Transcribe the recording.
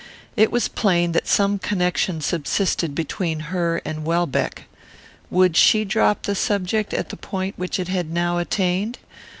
It was plain that some connection subsisted between her and Welbeck. Would she drop the subject at the point which it had now attained?